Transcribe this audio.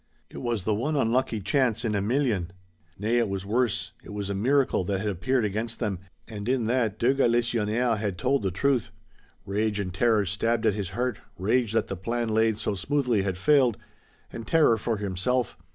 It was the one unlucky chance, in a million! Nay, it was worse! It was a miracle that had appeared against them, and in that de Galisonnière had told the truth. Rage and terror stabbed at his heart, rage that the plan laid so smoothly had failed, and terror for himself.